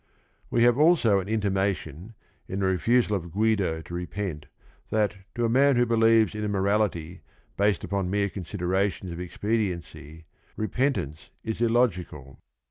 We have also an intimation, in the refusal of Guido to repent, that, to a man who believes in a morality based upon mere considerations of expediency, repentance is illogical.